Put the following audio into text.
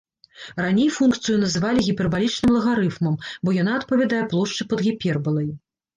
Раней функцыю называлі гіпербалічным лагарыфмам, бо яна адпавядае плошчы пад гіпербалай.